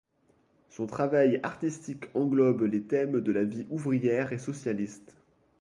Son travail artistique englobe les thèmes de la vie ouvrière et socialiste.